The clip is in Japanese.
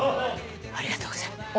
ありがとうございます。